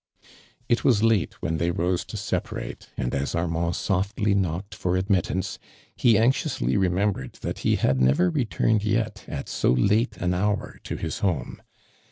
It was lato when they rose to separate, and as Armand sol'tly knockod for admit tance, ho anxiously remembered that he had never returned yet at so lato an hour to his home.